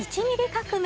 革命